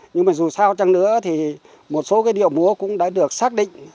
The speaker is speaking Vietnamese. nhưng mà dù sao chăng nữa thì một số cái điệu múa cũng đã được sáng tạo ra